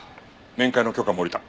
面会の許可も下りた。